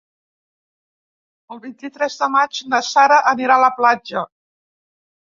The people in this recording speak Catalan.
El vint-i-tres de maig na Sara anirà a la platja.